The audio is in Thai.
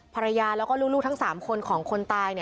ภรรยาแล้วก็ลูกทั้ง๓คนของคนตาย